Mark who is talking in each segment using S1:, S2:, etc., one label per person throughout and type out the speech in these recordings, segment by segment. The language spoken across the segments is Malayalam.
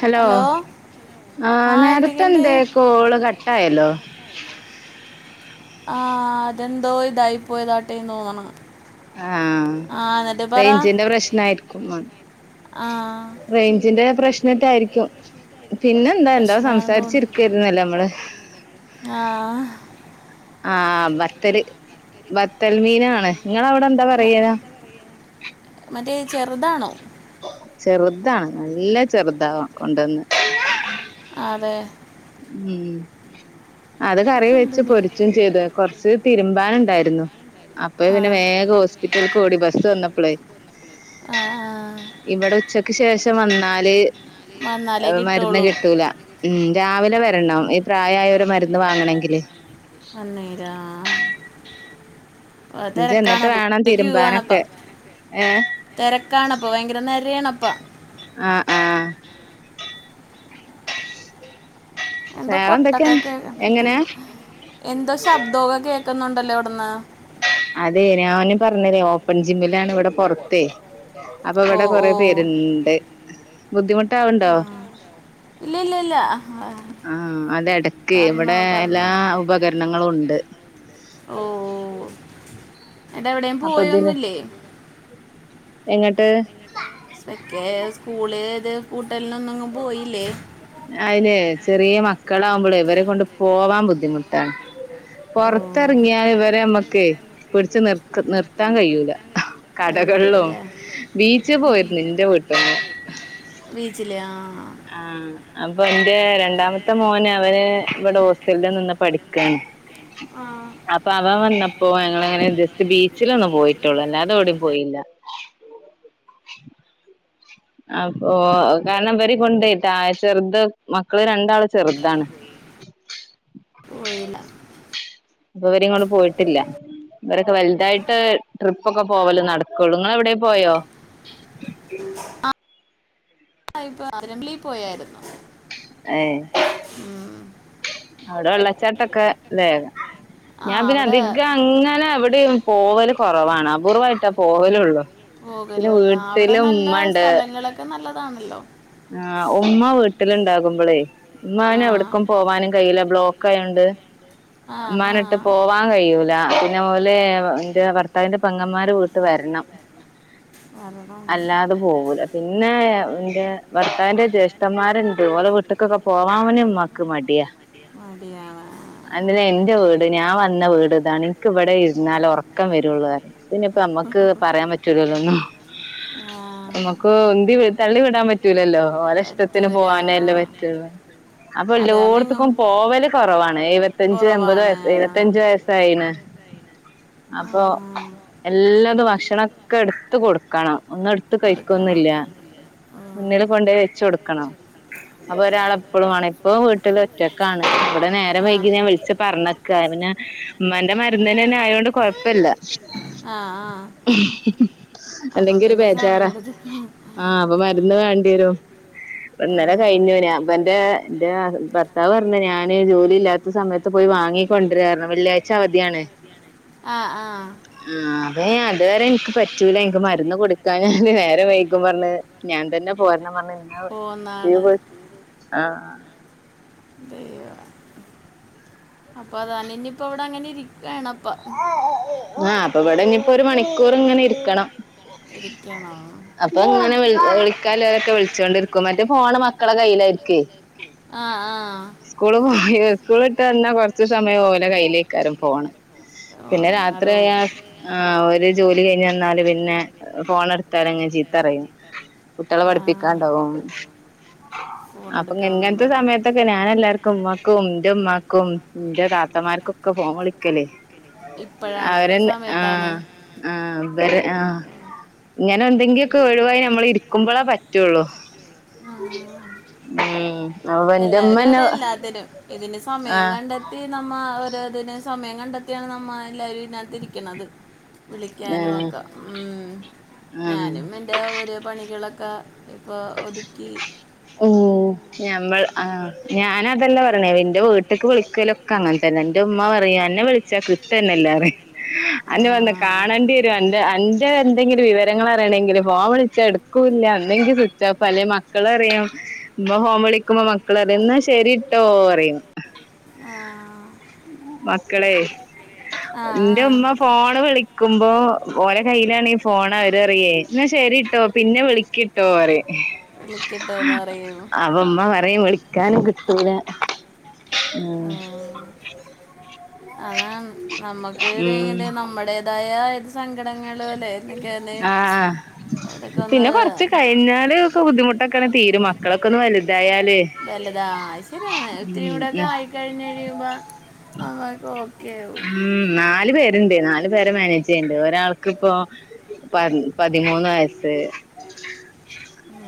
S1: ഹലോ ആ നേരത്തെ എന്തേ കോള് കട്ടായല്ലോ
S2: ആ അതെന്തോ ഇതായി പോയതാട്ടെന്നോന്നണ്.
S1: ആ റേഞ്ചിന്റെ പ്രശ്നയിരിക്കുംന്ന.
S2: ആ
S1: റേഞ്ചിന്റെ പ്രശ് [unintelligible] തായിരിക്കും. പിന്നെ എന്താ എന്തോ
S2: പ്രശ്നമാണെന്ന് തോന്നുന്നു
S1: സംസാരിച്ചിരിക്കരുന്നില്ലേ നമ്മള്
S2: ആ
S1: ആ ബത്തല് ബത്തൽ മീനാണ് നിങ്ങളവിടെന്താ പറയാ
S2: മറ്റേ ചെറ്താണോ
S1: ചെറുതാണ് നല്ല ചെറുതാവാം കൊണ്ടുവന്ന്
S2: അതെ
S1: ഉം [unintelligible] അത് കറി വെച്ച്
S2: അതെന്തുമേ
S1: പൊരിച്ചും ചെയ്തു കൊറച്ച് തിരുമ്പാനുണ്ടായിര് ന്ന അപ്പൊ
S2: ആ
S1: പിന്നെ വേഗം ഹോസ്പിറ്റൽക്കോടി ബസ്സ് വന്ന ഇപ്പ്ളേ
S2: ആ ആ.
S1: ഇവിടെ ഉച്ചക്ക് ശേഷം വന്നാല്
S2: വന്നാലേ
S1: മരുന്ന്
S2: കിട്ടുള്ളൂ
S1: കിട്ടൂല ഉം രാവിലെ വരണം ഈ പ്രായായോര് മരുന്ന് വാങ്ങണെങ്കിലെ
S2: അന്നേരാ
S1: ഇജ്ജെന്നിട്ട്
S2: തെരക്കാണപ്പ
S1: വേണം
S2: ക്യൂ
S1: തിരുമ്പാനൊക്കെ
S2: ആണപ്പം
S1: ഏഹ്
S2: തെരക്കാണപ്പം ഭയങ്കര നെരയാണ പ്പ
S1: അ ആ
S2: എന്തോ കൊട്ടൊക്കെ കേക്കന്ന്
S1: എങ്ങനെ
S2: എന്തോ ശബ്ദൊക്കെ കേക്കുന്നുണ്ടല്ലോവി എപ്പന്നാ
S1: അതെ ഞാനും പറഞ്ഞിലേ ഓപ്പൺ ജിമ്മിലാണ് ഇവിടെ പൊറത്തേ അപ്പൊ
S2: ഓ
S1: അവിടെ
S2: ഓ
S1: കൊറെ പേരുണ്ട് ബുദ്ധിമു ആവുണ്ടോ
S2: ഇല്ല ഇല്ല ഇല്ല
S1: ആ അതടെക്കെ
S2: പറഞ്ഞോ
S1: ഇവിടെ എല്ലാ
S2: പറഞ്ഞോ ഉപകരണങ്ങളും
S1: ഉപകരണങ്ങളും ഉണ്ട്
S2: ഓ എന്നട്ടെവിടെം
S1: അപ്പൊ ഇതില്
S2: പോയൊന്നുല്ലേ
S1: എങ്ങട്ട്
S2: ദേ ഫുഡ്
S1: അയിന് ചെറിയ മക്കളാവു ഇവരെ കൊണ്ട് പോവാൻ ബുദ്ധിമുട്ടാ
S2: ഓ
S1: പൊറത്തെറങ്ങിയാ ഇവരെ നമ്മക്കേ പിടിച്ച് നിർ നിർത്താൻ കയ്യൂല
S2: കഴിയൂല
S1: കടകളിലും
S2: വെള്ളവും
S1: ബീച്ച് പോയിരുന്നു എന്റെ വീട്ടീന്ന്
S2: ബീച്ചില് ആ
S1: ആഹ അപ്പൊ എന്റെ രണ്ടാമത്തെ മോൻ അവന് ഇവിടെ ഹോസ്റ്റലിൽ നിന്ന് പഠിക്കാണ്
S2: ആ
S1: അപ്പൊ അവൻ വന്നപ് പ്പോ ഞങ്ങളിങ്ങനെ ജസ്റ്റ്‌ [unintelligible] ക്ക് ബീച്ചിലൊന്ന് പോയിട്ടൊള്ളൂ അല്ലാതെവിടെം പോയില്ല അപ്പോ കാരണം ഇവര് കൊണ്ടയിട്ട ചെറുത് മക്കള് രണ്ടാള് ചെറുതാണ്.
S2: വഴീല്ല
S1: അപ്പോ ഇവരിങ്ങോട്ട് പോയിട്ടില്ല. ഇവരൊക്കെ വലുതായിട്ട് ട്രിപ്പക്കെ പോവല് നടക്കോള്ളൂ. ങ്ങള് എവിടേലും പോയോ?
S2: ആ ആ ഇപ്പോ അരംബലി പോയാരുന്നു.
S1: ഏയ് അവിടെ വെള്ളച്ചാട്ടൊക്കെ ഇതായിരുന്നു. ഞാൻ
S2: ആഹ്
S1: പിന്നെ
S2: അവിടെ
S1: അധിക അങ്ങനെ അവിടെയോ പോവല് കൊറവാണ് അപൂർവ്വയിട്ടാ പോവലുള്ളൂ. പിന്നെ
S2: പോകലള്ള അവടെ
S1: വീട്ടില്
S2: നല്ല സ്ഥലങ്ങളൊക്കെ നല്ല അതാണല്ലോ
S1: ആ ഉമ്മ വീട്ടിലുണ്ടാകുമ്പളേ ഉമ്മാന്
S2: ആഹ്
S1: എവിടക്കും പോവാനും കഴയില്ല ബ്ലോ കായുണ്ട്
S2: അങ്ങനെ
S1: ഉമ്മാനെ ഇട്ട് പോവാൻ കയ്യൂല. പിന്നെ ഓല് ന്റെ ഭർത്താവിന്റെ പങ്ങന്മാര് വീട്ട് വരണം.
S2: ആഹ് ആഹ് അങ്ങനെട്ട് പോവാൻ കഴിയൂല പിന്നെ ഓല്
S1: അല്ലാതെ പോകൂല. പിന്നെ ന്റെ ഭർത്താന്റെ ജ്യേഷ്ഠന്മാരുണ്ട്. ഓരടെ വീട്ട്ക്കൊക്കെ പോവാവനും ഉമ്മക്ക് മട്യാ.
S2: മടിയാ മടിയാണ് ആ
S1: അങ്ങനാ എന്റെ വീട് ഞാൻ വന്ന വീട് ഇതാണ്. എനിക്കിബടെ ഇരുന്നാല ഉറക്കം വരുള്ളൂ പറഞ്ഞപിന്നേപ്പമ്മക്ക് പറയാൻ പറ്റലല്ലോന്നും.
S2: ആഹ്
S1: നമ്മക്ക് ഉന്തി തള്ളി വിടാൻ പറ്റ ലൂലല്ലോ ഓല ഇഷ്ടത്തിന്
S2: പറ്റൂലാ
S1: പോകാനേല്ലേ പറ്റുള്ളൂ. അപ്പ എല്ല ഓടത്തക്കും പോവല് കൊറവാണ് എഴുവത്തഞ്ച്
S2: പോവാനല്ലേ പറ്റൂ അത് കാരണം എങ്ങും എല്ലോട്ത്ത്ക്കും പോവല്
S1: എമ്പത്
S2: കൊറവാണ് കൊറവാണ്
S1: എഴുവത്തഞ്ച്
S2: ഇരുപത്
S1: വയസ്സായിന്. അപ്പോ എല്ലാതും ഭക്ഷണൊക്കെ എടുത്ത് കൊടുക്കണം. ഒന്ന അടുത്ത്
S2: കൊടുക്കണം
S1: കഴിക്കൊന്ന്വല്ല. മുന്നിൽ കൊണ്ട്പോയി വെച്ച് കൊടുക്കണം അപ്പൊ ഒരാള് എപ്പോഴും ആണ് ഇപ്പവും വീട്ടിൽ ഒറ്റക്കാണ് ഇവിടെ
S2: സമ്മയ്ക്കൊന്നുല്ല
S1: നേരം വൈകി ഞാൻ വിളിച്ച് പറഞ്ഞേക്കാ പിന്നെ ഉമ്മാന്റെ മരുന്ന് തന്നെ ആയതോണ്ട് കൊഴപ്പില്ല
S2: ആഹ് ആഹ് അപ്പൊ
S1: അല്ലെങ്കി ഒരു
S2: പിന്നെ
S1: ആ അ
S2: സമയെടുത്ത്
S1: [unintelligible] കണ്ടേര അന്നേരം കഴിഞ്ഞു അപ്പ എന്റെ എന്റെ ഭർത്താവ് പറഞ്ഞു ഞാന് ജോലി ഇല്ലാത്ത സമയത്ത് പോയി വാങ്ങി കൊണ്ടരാര്ന്ന് വെള്ളിയാഴ്ച അവധിയാണ്
S2: ആഹ് ആഹ്
S1: ആ അതെ ഞാൻ ഇതുവരെ എനിക്ക് പറ്റൂല എനിക്ക് മരുന്ന് കൊടുക്കാൻ നേരം വൈകും പറഞ്ഞ് ഞാൻ തന്നെ പോരണം പറഞ്ഞ്
S2: പോന്നാണ്
S1: ആഹ് [unintelligible]
S2: എന്ത്ചെയ്യാ അപ്പൊ അതനങ്ങിപ്പ അവിടെ അങ്ങനെ ഇരിക്കാണ് പ
S1: അപ്പ ഇവിടെ ഇനി ഇപ്പോ ഒരു മണിക്കൂർ ഇങ്ങനെ ഇരിക്കണം
S2: ഇരിക്കണം
S1: അപ്പൊ ഇങ്ങനെ [inaudible] വിളിക്കാലുള്ളവരെ ഒക്കേ വിളി വച്ചോണ്ടിരിക്കും എന്റെ ഫോണ് മക്കളുടെ കയ്യിലായിരിക്കുവേ
S2: ആ ആ
S1: സ്കൂള് പോയി സ്കൂൾ വിട്ടുവന്നാ കൊറച്ചു സമയം ഓര കയ്യിലായിരിക്കും ഫോണ് പിന്നെ രാത്രി
S2: ഓണങ്ങടോ
S1: ആയാ ഒരു ജോലി ഡ്‌ കഴിഞുവന്നാല് പിന്നെ ഫോണെട്ത്താലങ്‌ ചീത്തറിം കുട്ട്യേളെ
S2: ആ
S1: പഠിപ്പിക്കാൻ ഉണ്ടാവും
S2: ഫോൺ
S1: അപ്പോ
S2: എടുക്കണമെന്നും
S1: ഇങ്ങൻത്തെ
S2: പറഞ്ഞു
S1: സമയത്തൊക്കെ ഞാനെല്ലാർക്കും മക്കും ഇന്റെമ്മാക്കും ഇന്റെ താത്തമാർക്കൊക്കെ ഫോൺ വിളിക്കല്
S2: എല്ലാവർക്കും ഉമ്മക്കും എൻ്റെ ഉമ്മക്കും എൻ്റെ താത്തമാർക്കൊക്കെ ഫോൺ വിളിക്കല് ഇപ്പോഴാണ് ഈ
S1: അവരെ ആഹ
S2: സമയത്താണ്
S1: ആഹ് വരെ ആഹ് ഇങ്ങനെന്തെങ്ക്യക്കെ ഒഴിവായി നമ്മളിരിക്കുമ്പളാ പറ്റുള്ളൂ
S2: ആഹ
S1: ഉം അപ്പൊ
S2: എല്ലാവരും
S1: എന്റെമ്മന്നെ
S2: അതെ എല്ലാത്തിനും ഇതിന് സമയം
S1: ആഹ്
S2: കണ്ടെത്തി നമ്മ ഓരോതിന് സമയം കണ്ടെത്തിയാണ് നമ്മ എല്ലാരും ഇതിനകത്ത് ഇരിക്ക്ണത്
S1: ആഹ്
S2: വിളിക്കാനുമൊക്കെ ഉം
S1: ആഹ്
S2: ഞാനും എൻ്റെ ഒരെ പണികളൊക്കെ ക ഇപ്പൊ ഒതുക്കി
S1: ഉം ഞമ്മൾ ആ ഞാനതെല്ല പറിണെ ന്റെ വീട്ട്ക്ക് വിളിക്കലൊക്കെ അങ്ങൻ തന്നെ ന്റെ ഉമ്മ പറയ അന്നെ വിളിച്ചാ കിട്ടന്നെല്ലാറിം
S2: ആ.
S1: അന്നെ പർഞ്ഞേ കാണേണ്ടി വരും അന്റെ അന്റെ എന്തെങ്കിലും വിവരങ്ങളറിയണെങ്കില് ഫോൺ വിൾച്ചാ ഇട്ക്കൂല്ല ഒന്നെങ്കി സ്വച്ഓഫ്‌ അല്ലേൽ മക്കളറിയും ഇമ്മ ഫോൺ വിളിക്കുമ്പം മക്കളറിം ന്നാ ശരിട്ടോ പറയും
S2: ആ
S1: മക്കളെ
S2: ആ ആ.
S1: ഇന്റെ ഉമ്മ ഫോണ് വിളിക്കുമ്പോ ഓലെ കയ്യിലാണീ ഫോണ അവര് അറിയോയ് എന്ന ശരിട്ടോ പിന്നെ വിളിക്കിട്ടോ അറിം
S2: വിളിക്കട്ടെ എന്ന് പറയുന്നു
S1: അവമ്മ പറയും വിളിക്കാനും കിട്ടൂല
S2: ആ അതാ നമക്ക് ഇത് നമ്മടേതായ [inaudible]
S1: ആഹ
S2: അതൊക്കെ ഒന്ന്
S1: പിന്നെ കൊറച്ച് കഴിഞ്ഞാ ഒ ബുദ്ധിമുട്ടൊക്ക തീരും മക്കളൊക്കെ ഒന്ന് വലു
S2: വലുതാ ശരിയാണ്
S1: ഉം
S2: ഇത്തിരികൂടെ ആയികഴിഞ്ഞു കഴയുബോ ആ
S1: ഉ നാലു പേര് ണ്ട് നാല് പേരെ മാനേജെയ്യ്ണ്ട് ഒരാൾക്ക്പ്പോ പൻ പതിമൂന്ന് വയസ്സ്
S2: ഉം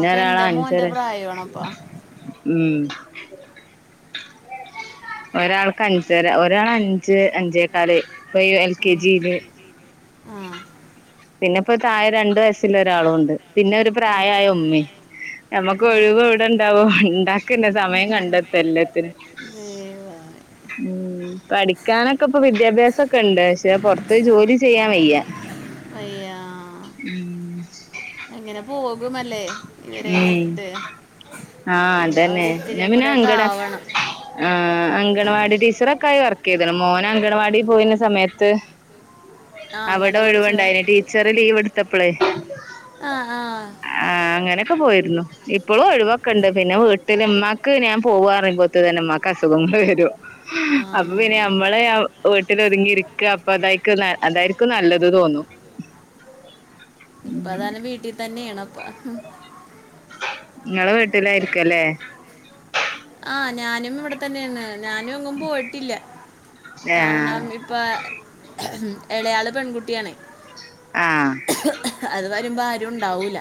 S2: അപ്പൊ എൻ്റെ മോൻ്റെ പ്രായമാണ് അപ്പൊ
S1: ഉം ഒരാൾക്ക് അഞ്ചര ഒരാളഞ്ച് അഞ്ചേക്കാല് ഇപ്പ യു എൽ കെ ജിയില്
S2: ആ
S1: പിന്നെപ്പോ താഴെ രണ്ടു വയസ്സുള്ളൊരാളുണ്ട് പിന്നെ ഒരു പ്രായ യായ ഉമ്മിം നമ്മ
S2: ആ.
S1: ഒഴിവ് വ്ടെണ്ടാവോ ഉണ്ടാക്കും ക്കെന്നെ സമയം കണ്ടത്ത എല്ലാത്തിനും
S2: ദൈവമേ.
S1: ഉം പഠിക്കാനൊക്കെ ഇപ്പൊ വിദ്യാഭ്യാസൊക്കെണ്ട് പക്ഷെ പൊർത്ത്
S2: ആ,
S1: ജോലി ചെയ്യാൻ വയ്യാ ഉം
S2: അങ്ങനെ പോകുമല്ലേ ഇവരെയും
S1: ഉം
S2: വിട്ടിട്ട്
S1: ആഹ്
S2: പിന്നെ
S1: അതന്നെ ഞാൻ
S2: അവരിച്ചിരിയും
S1: പിന്നെ
S2: കൂടെക്കെ
S1: അങ്കണ
S2: ആവണം
S1: ടീച്ചറൊക്കായി വർക്ക് ചെയ്ത്ണ് മോന അങ്കണവാടി പോയിന്ന സമയത്ത്
S2: ആ
S1: അവിടെ
S2: അങ്ങനെ കൊർച്ച്പേറെ
S1: ഒഴിവുണ്ടായിന് ടീച്ചർ ലീവ് എടുത്തപ്പളേ
S2: ആ ആ
S1: ക്കെ പോയിരുന്നു ഇപ്പോളും ഒഴിവൊക്കണ്ട് പിന്നെ വീട്ടില് മ്മാക്ക് ഞാൻ പോവാറിംമ്പോത്ത് തന്നെ മ്മാക്ക് അസുഖങ്ങൾ വരും അപ്പൊ പിന്നെ
S2: ആ
S1: നമ്മളെ അ വീ ട്ടിലൊത്തുങ്ങിയിരിക്ക അപ്പൊ അതായിക്ക് അതായിരിക്കും നല്ലത് തോന്നും
S2: പ്പതാനും വീട്ടി തന്നെണ് വഹ ഹ
S1: നിങ്ങള് വീട്ടിലായിരിക്കല്ലേ
S2: ആ ഞാനും ഇവിടെ തന്നെണ് ഞാനും എങ്ങും പോയിട്ടില്ല
S1: ആഹ്
S2: കാരണം ഇപ്പൊ ഉം എളയാള് പെൺകുട്ടിയാണ്
S1: ആഹ്
S2: അത് [unintelligible] ഞ്‌പ്പാരുണ്ടാവൂല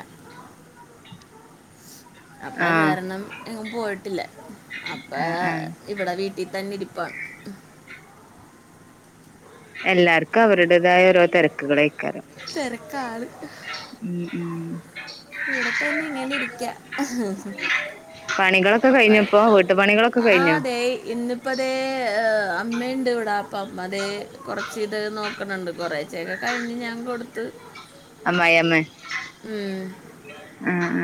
S2: അപ്പൊ അത്
S1: ആഹ്
S2: കാരണം എങ്ങും പോയിട്ടില്ല അപ്പ
S1: ആഹ്
S2: ഏ
S1: ആഹ്
S2: ഇവടെ വീട്ടിൽ തന്നെ ഇരി പ്പ
S1: എല്ലാർക്കും അവരുടേതായ ഓരോ തെരക്കുകളെ
S2: തിരക്കാണ്
S1: ഉം ഉം
S2: ഇവിടെത്തന്നെ ഇങ്ങനെ ഇരിക്ക
S1: പണികളൊക്കെ
S2: ആഹ്
S1: കഴിഞ്ഞപ്പോ വീട്ടു പണികളൊക്കെ കഴിഞ്ഞോ
S2: അതെ ഇന്നിപ്പതെ ഇമ്മയുണ്ട് ഇവിടെ അപ്പം അതേ കുറച്ച് ഇത് നോക്ക് ക്കുന്നുണ്ട് കുറേച്ചേക്ക കഴിഞ്ഞ് ഞാൻ കൊടുത്ത്
S1: ആമ്മായമ്മെ
S2: ഉം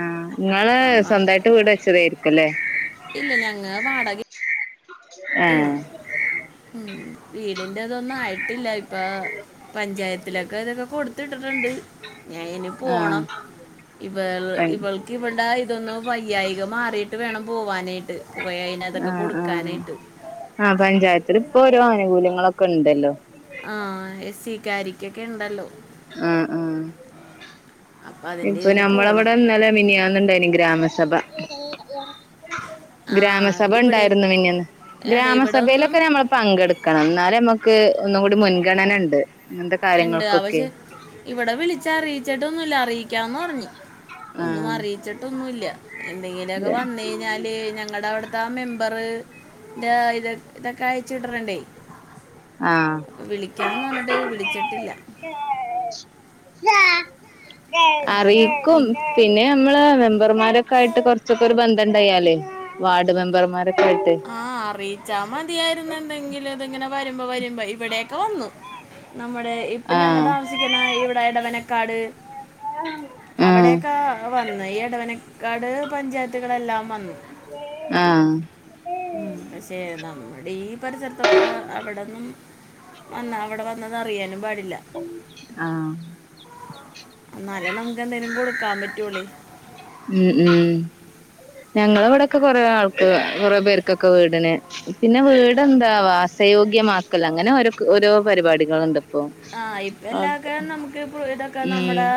S1: ആഹ് ഇങ്ങള്
S2: അമ്മ
S1: സ്വന്തായിട്ട് വീട് വെച്ചതേർ ക്കല്ലേ
S2: ഇല്ല ഞങ്ങള് വാടക
S1: ഏ
S2: ഉം വീടിന്റെതൊന്നും ആയിട്ടില്ല ഇപ്പൊ പഞ്ചായത്തിലൊക്കെ ഇതൊക്കെ കൊടുത്തിട്ടിട്ടുണ്ട് ഞാൻ ഇനി
S1: ആഹ്
S2: പോണം ഇവൾ ഇവൾക്ക് ഇവടെ ഇതൊന്ന് വയ്യായിക മാറിയിട്ട് വേണം പോവാനായിട്ട് പോയ അതിനതൊക്കെ
S1: ആഹ് ആഹ്
S2: കൊടുക്കാനായിട്ട്
S1: ആഹ് പഞ്ചായത്തില് ഇപ്പൊ ഓരോ ആനുകൂല്യങ്ങളൊക്കെ ഇണ്ടല്ലോ
S2: ആഹ് എസ് സി ക്കാരിക്കൊക്കെ ഇണ്ടല്ലോ
S1: ആഹ് ആഹ്
S2: അപ്പം അതിൻ്റെ
S1: ഇപ്പൊ
S2: ഇതിന്
S1: ഞമ്മളെ
S2: പോകണം
S1: ഇവിടെ ഇന്നലെ മിനിയാന്നുണ്ടായിനി ഗ്രാമസഭ [inaudible]
S2: ആ
S1: ഗ്രാമസഭ
S2: ഇവിടെ
S1: ഇണ്ടായിരുന്നു മിന്യാന്ന്
S2: അതെ ഇവിടെ ഒന്നും
S1: ഗ്രാമസഭയിലൊക്കെ നമ്മള് പങ്കെടുക്കണം എന്നാലേ നമ്മ ക്ക് ഒന്നും കൂടി മുൻഗണനണ്ട്
S2: ഇണ്ട് അവശെ ഇവിടെ വിളിച്ചറിയിച്ചി ട്ടൊന്നുല്ല അറിയിക്കാന്ന് പർഞ്ഞു ഒന്നും
S1: ആഹ്
S2: അറിയിച്ചിട്ടൊന്നുല്ല്യ എന്തെങ്കിലു ഒക്കെ വന്ന് കഴിഞ്ഞാല് ഞങ്ങടെ അവിടെ താ മെമ്പർ ഇത ഇതൊക്കെ അയച്ചു ടറണ്ടേ.
S1: ആഹ്
S2: വിളിക്കാന്ന് പറഞ്ഞിട്ട് വിള ച്ചിട്ടില്ല
S1: [unintelligible] അറിയിക്കും
S2: ഒന്ന്
S1: പിന്നെ നമ്മള് മെമ്പർമാര ആയിട്ട് കുറച്ചൊക്കെ ഒരു ബന്ധം ഉണ്ടായല വാർഡ് മെമ്പർമാര
S2: ആഹ് അറിയിച്ചാ മതിയായിരുന്നു എന്തെങ്കിലും ഇ വരുമ്പോ വരുമ്പോ ഇവിടെയൊക്കെ വന്നു. നമ്മുടെ ഇപ്പം ഞങ്ങൾ
S1: ആഹ്
S2: താമസിക്കുന്ന ഇവിടെ ഇടവന കാട്
S1: ആഹ്
S2: അവിടൊക്കെ വന്ന് ഈ എടവന കട് പഞ്ചായത്തുകളെല്ലാം വന്നു
S1: ആഹ്
S2: ഉം പക്ഷേ നമ്മടെ ഈ പരിസരത്തൊക്കെ അവിടന്നും വന്നാ അവിടെ വന്നതറിയാനും പാടി
S1: ആഹ്
S2: കാമറ്റോളി
S1: ഉം ഉം ഞങ്ങളിവടക്കെ കൊറേ ആൾക്ക് കൊറെ പേർക്കൊക്കെ വീടിന് പിന്നെ വീട്ന്താ വാസയോഗ്യമാക്കല് അങ്ങനെ ഓരക്ക് ഓരോ പരിപാടികള്ണ്ട് പ്പോം
S2: ആ ഇപ്പം എല്ലാമൊക്കെ നമുക്ക് ഇപ്പൊ ഇതൊക്കെ
S1: ഉം
S2: നമ്മുടെ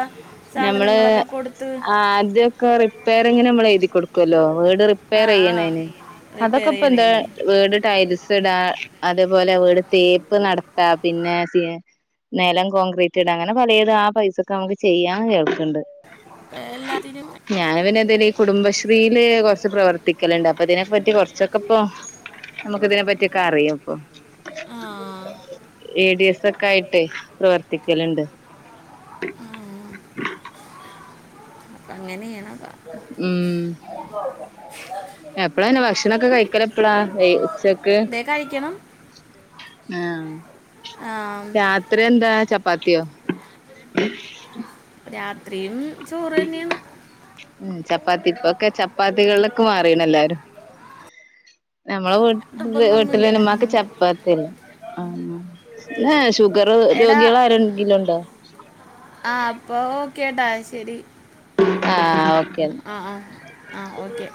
S1: ഞമ്മള്
S2: സാധനങ്ങളൊക്കെ കൊടുത്ത്
S1: ആ ആദ്യൊക്കെ റിപ്പയറിങ്ങിന് നമ്മള് എഴുതി കൊടുക്കും ക്കോലോ വേട്
S2: ആ
S1: റിപ്പേറ്
S2: ആ
S1: ചെയ്യണെന്ന് അതൊക്കെ
S2: റിപ്പയർ
S1: ഇപ്പ എന്താ
S2: ചെയ്യണേന്
S1: വേട് ടയ്ൽസ് ഇടാ അതേപോലെ അവീട് തേപ്പ് നടത്താ പിന്നെ നെലം കോൺക്രീറ്റ്ടാ അങ്ങനെ പലേതാ ആ പൈസക്ക് നമുക്ക് ചെയ്യാ കേൾക്ക്ണ്ട്
S2: ഇപ്പൊ എല്ലാത്തിനും
S1: ഞാന് പിന്നെന്തെല് ഈ കുടുംബ ഏ കൊറച്ച് പ്രവർത്തിക്കലുണ്ട് അപ്പൊ ഇതിനെപ്പറ്റി കൊറച്ചൊക്കെ പ്പോം നമുക്ക് ഇതിനെ പറ്റിക്കെ അറിയാ പ്പോം
S2: ആ
S1: എ ഡി എസ് ഒക്കെ ആയിട്ടെ പ്രവർത്തിക്കല്ണ്ട്
S2: ആ. അപ്പ അങ്ങനെയ്യണം
S1: ഉം എപ്പഴാ ഇന്നെ ഭക്ഷണൊക്കെ കഴിക്കലെപ്പഴാ ഏ ഉച്ച
S2: ഇതേക്കഴിക്കണം
S1: ആഹ് രാത്രി എന്താ ചപ്പ് പാത്തിയോ ഉം
S2: രാത്രിയും ചോറ് തന്നെയാണ്
S1: പ്പാത്തി പ്പൊക്കെ ചപ്പാത്തികൾലൊക്കെ മാറീണെല്ലാരും നമ്മളെ വീട്ട
S2: നിർബന്ധമൊന്നുമില്ല
S1: വീട്ടിലയ്ന് മ്മാക്ക്
S2: ഉം.
S1: ചപ്പാത്തില്ലേ ആം പിന്നെ ഷുഗർ
S2: എടാ
S1: രോഗികളാരെങ്കിലുംണ്ടോ
S2: കേട്ടാ ശരി
S1: ആ ഓ
S2: അ ആ ആ ഓക്കെ